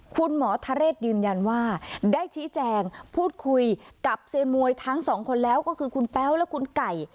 คุณหมอทะเรศยืนยันว่าได้ชี้แจงพูดคุยกับเซียนมวยทั้งสองคนแล้วก็คือคุณแป๊วและคุณไก่